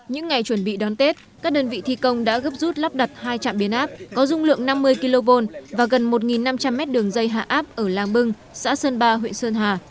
những ngày chuẩn bị đón tết các đơn vị thi công đã gấp rút lắp đặt hai trạm biến áp có dung lượng năm mươi kv và gần một năm trăm linh mét đường dây hạ áp ở làng bưng xã sơn ba huyện sơn hà